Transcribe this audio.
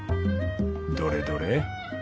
どれどれ。